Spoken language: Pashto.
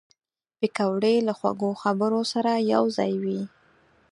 پکورې له خوږو خبرو سره یوځای وي